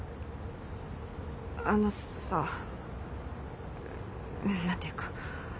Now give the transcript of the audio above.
あのさ何ていうか。